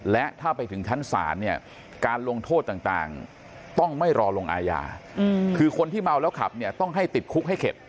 และถ้าไปถึงชั้นศาลเนี่ยการลงโทษต่างต้องไม่รอลงอาญาคือคนที่เมาแล้วขับเนี่ยต้องให้ติดคุกให้เข็ด